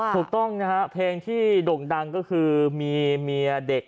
ถูกต้องนะฮะเพลงที่ด่งดังก็คือมีเมียเด็ก